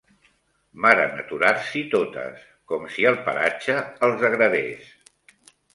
Varen aturar-s'hi totes com si el paratge els agradés.